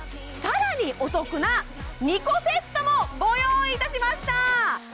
更にお得な２個セットもご用意いたしました！